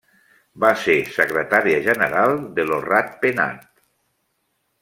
Va ser secretària general de Lo Rat Penat.